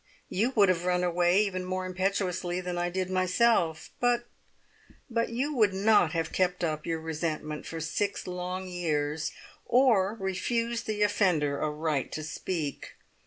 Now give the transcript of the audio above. You would have run away even more impetuously than I did myself, but but you would not have kept up your resentment for six long years, or refused the offender a right to speak!